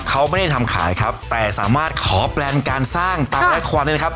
เขาไม่ได้ทำขายครับแต่สามารถขอแปลนการสร้างตามละครด้วยนะครับ